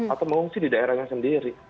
atau mengungsi di daerahnya sendiri